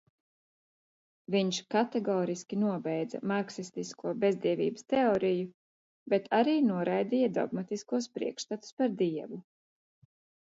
Viņš kategoriski nobeidza marksistisko bezdievības teoriju, bet arī noraidīja dogmatiskos priekšstatus par Dievu.